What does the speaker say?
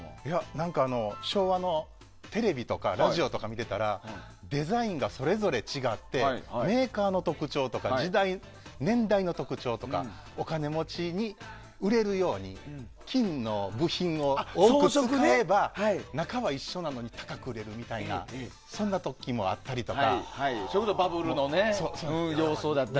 何か、昭和のテレビとかラジオとか見てたらデザインがそれぞれ違ってメーカーの特徴とか時代、年代の特徴とかお金持ちに売れるように金の部品を多く使えば中は一緒なのに高く売れるみたいなそれこそバブルの様相だったり。